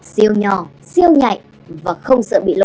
siêu nhỏ siêu nhạy và không sợ bị lộ